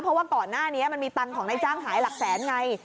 เพราะว่าก่อนหน้านี้มันมีตังค์ของนายจ้างหายหลักแสนไง